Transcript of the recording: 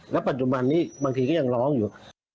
ปัจจุบันนี้บางทีก็ยังร้องอยู่